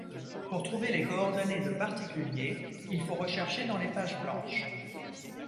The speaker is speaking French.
Pour trouver les coordonnées de particuliers, il faut rechercher dans les pages blanches.